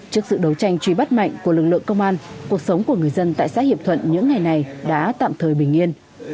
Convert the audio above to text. trước sự đấu tranh truy bắt mạnh của lực lượng công an cuộc sống của người dân tại xã hiệp thuận những ngày này đã tạm thời bình yên